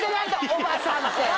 おばさんって！